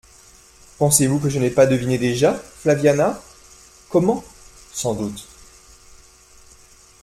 «Pensez-vous que je n'aie pas deviné déjà, Flaviana ? Comment ? Sans doute.